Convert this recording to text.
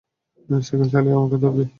Cycle চালিয়ে আমাকে ধরবি?